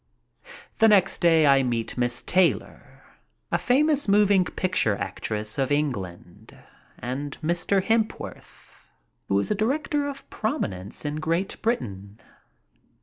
The next day I met Miss Taylor, a famous moving picture actress of England, and Mr. Hepworth, who is a director of prominence in Great Britain.